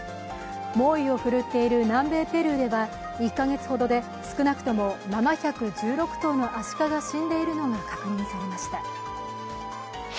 猛威を振るっている南米ペルーでは１か月ほどで少なくとも７１６頭のアシカが死んでいるのが確認されました。